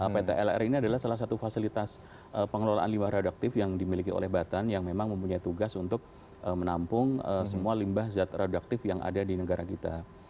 pt lr ini adalah salah satu fasilitas pengelolaan limbah radaktif yang dimiliki oleh batan yang memang mempunyai tugas untuk menampung semua limbah zat radaktif yang ada di negara kita